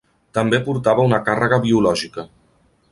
També portava una càrrega biològica.